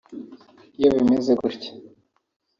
Iyo bimeze gutya